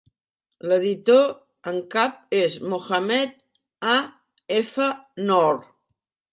L'editor en cap és Mohamed A. F. Noor.